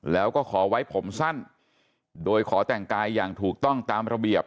แล้วก็ขอไว้ผมสั้นโดยขอแต่งกายอย่างถูกต้องตามระเบียบ